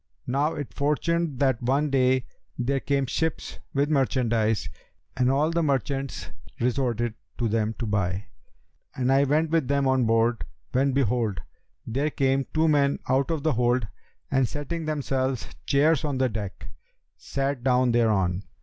Now it fortuned that one day, there came ships with merchandise, and all the merchants resorted to them to buy, and I went with them on board, when behold, there came two men out of the hold and setting themselves chairs on the deck, sat down thereon.